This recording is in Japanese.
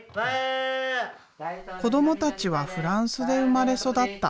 子どもたちはフランスで生まれ育った。